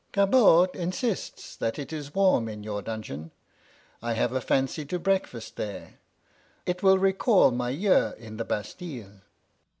Gabord insists that it is warm in your dungeon; I have a fancy to breakfast there. It will recall my year in the Bastile."